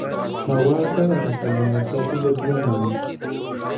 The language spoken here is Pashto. هوا کله ناکله ناڅاپي بدلون مومي